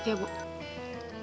eh eh kemana aja